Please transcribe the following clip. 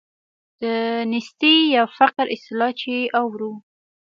د نیستۍ یا فقر اصطلاح چې اورو.